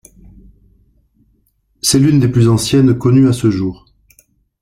C'est l'une des plus anciennes connues à ce jour.